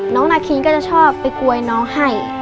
นาคินก็จะชอบไปกวยน้องให้